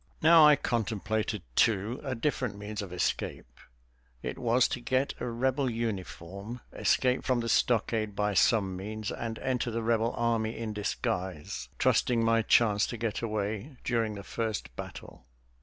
Now I contemplated, too, a different means of escape. It was to get a Rebel uniform, escape from the stockade by some means, and enter the Rebel army in disguise, trusting my chance to get away during the first battle.